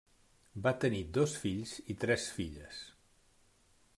Va tenir dos fills i tres filles.